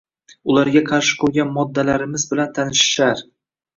ularga qarshi qo‘ygan moddalarimiz bilan «tanishishar»